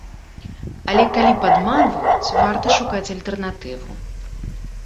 Але калі падманваюць, варта шукаць альтэрнатыву.